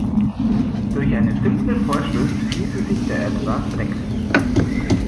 Durch eine simple Vorschrift ließe sich der Ertrag deckeln.